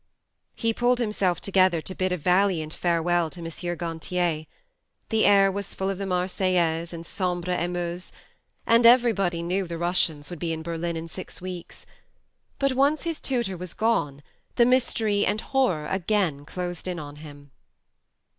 He pulled himself together to bid a valiant farewell to M. Gantier (the air was full of the "Marseillaise" and Sambre et Meuse, and everybody knew 12 THE MARNE the Russians would be in Berlin in six weeks) ; but once his tutor was gone the mystery and horror again closed in on him.